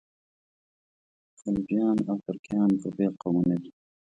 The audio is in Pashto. خلجیان او ترکان دوه بېل قومونه دي.